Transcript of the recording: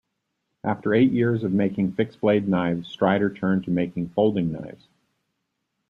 After eight years of making fixed blade knives, Strider turned to making folding knives.